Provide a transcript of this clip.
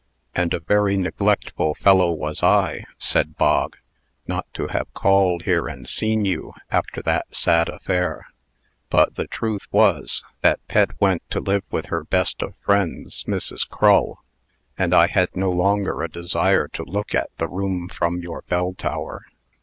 "And a very neglectful fellow was I," said Bog, "not to have called here and seen you, after that sad affair. But the truth was, that Pet went to live with her best of friends, Mrs. Crull, and I had no longer a desire to look at the room from your bell tower.